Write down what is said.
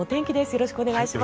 よろしくお願いします。